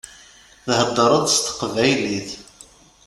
Theddṛeḍ s teqbaylit.